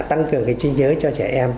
tăng cường cái trí nhớ cho trẻ em